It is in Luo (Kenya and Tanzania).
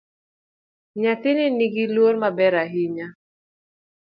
Nyathini nigiluor maber ahinya